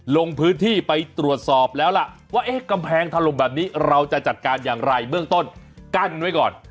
ลงพื้นที่ไปตรวจสอบแล้วล่ะว่าเอ๊ะกำแพงถล่มแบบนี้เราจะจัดการอย่างไรเบื้องต้นกั้นไว้ก่อน